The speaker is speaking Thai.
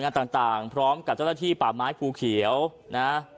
มีอายุต่างต่างพร้อมกับเจ้าหน้าที่บาปไม้พูเฮียวนะฮะ